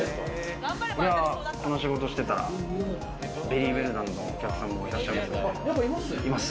この仕事してたら、ベリーウェルダンのお客さんもいらっしゃいますね。